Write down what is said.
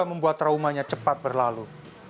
membuat traumanya cepat berlalu